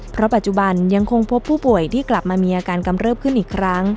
เพราะปัจจุบันยังคงพบผู้ป่วยที่กลับมามีอาการกำเริบขึ้นอีกครั้ง